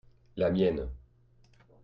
la mienne.